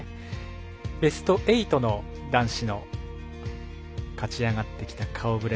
ベスト８の男子の勝ち上がってきた顔ぶれ。